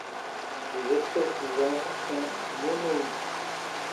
Les espèces du genre sont monoïques.